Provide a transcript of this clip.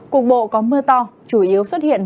cục bộ có mưa to chủ yếu xuất hiện